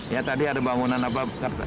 ya tadi ada bangunan apa